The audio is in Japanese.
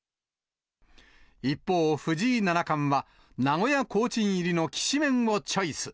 一方、藤井七冠は名古屋コーチン入りのきしめんをチョイス。